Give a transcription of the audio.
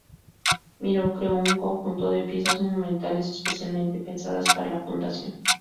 Miró creó un conjunto de piezas monumentales, especialmente pensadas para la fundación.